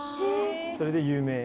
それで有名。